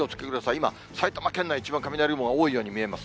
今、埼玉県内、一番、雷雲が多いように見えます。